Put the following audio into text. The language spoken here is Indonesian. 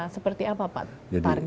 seperti apa pak target dari kejaksaan agung